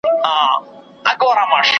چي سبا او بله ورځ اوبه وچیږي .